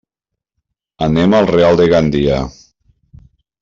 Anem al Real de Gandia.